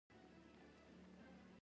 د وینو په بیه جنت د حورو په هڅو لګیا وو.